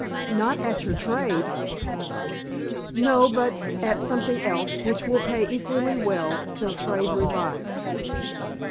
"Not at your trade?" "No, but at something else, which will pay equally well, till trade revives."